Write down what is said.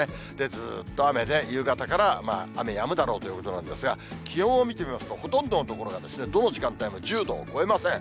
ずっと雨で、夕方から雨やむだろうということなんですが、気温を見てみますと、ほとんどの所がどの時間帯も１０度を超えません。